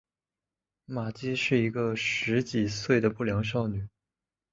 玛姬是一个十几岁的不良少女。